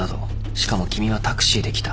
しかも君はタクシーで来た。